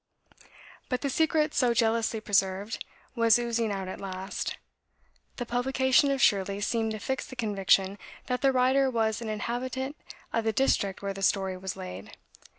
But the secret, so jealously preserved, was oozing out at last. The publication of "Shirley" seemed to fix the conviction that the writer was an inhabitant of the district where the story was laid.